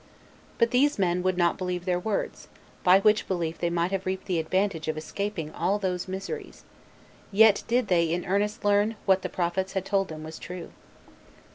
But these men would not believe their words, by which belief they might have reaped the advantage of escaping all those miseries; yet did they in earnest learn that what the prophets had told them was true.